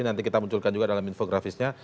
nanti kita munculkan juga dalam infografisnya